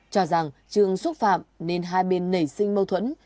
cho rằng trường xúc phạm nên hai bên nảy sinh mâu thuẫn